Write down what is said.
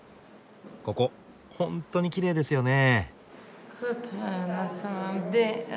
ここほんとにきれいですよね。